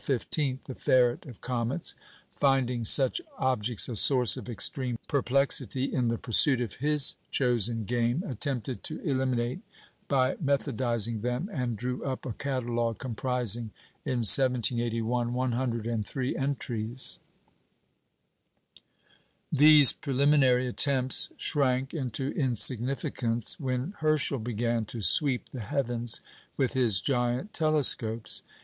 the "ferret of comets"), finding such objects a source of extreme perplexity in the pursuit of his chosen game, attempted to eliminate by methodising them, and drew up a catalogue comprising, in 1781, 103 entries. These preliminary attempts shrank into insignificance when Herschel began to "sweep the heavens" with his giant telescopes.